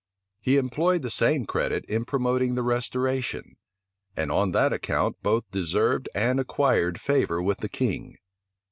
He employed the same credit in promoting the restoration; and on that account both deserved and acquired favor with the king.